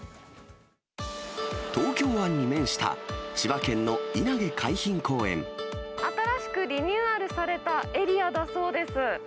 東京湾に面した千葉県の稲毛新しくリニューアルされたエリアだそうです。